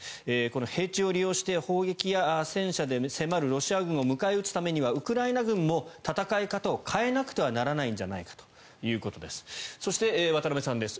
この平地を利用して砲撃や戦車で迫るロシア軍を迎え撃つためにはウクライナ軍も戦い方を変えなければならないんじゃないかということです。